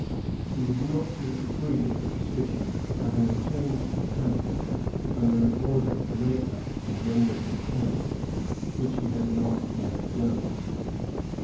"^ He was not yet free of suspicion, having returned to Canada under an order to make up and render his accounts, which he had not yet done.'